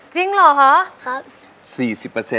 จริงเหรอคะ